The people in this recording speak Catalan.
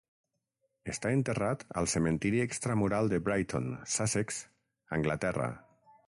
Està enterrat al cementiri Extra Mural de Brighton, Sussex (Anglaterra).